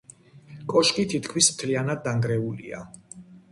კოშკი თითქმის მთლიანად დანგრეულია.